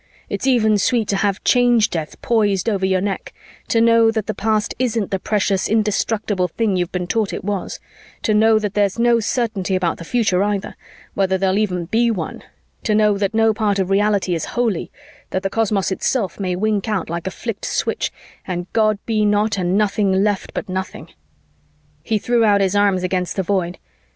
It's even sweet to have Change Death poised over your neck, to know that the past isn't the precious indestructible thing you've been taught it was, to know that there's no certainty about the future either, whether there'll even be one, to know that no part of reality is holy, that the cosmos itself may wink out like a flicked switch and God be not and nothing left but nothing!" He threw out his arms against the Void.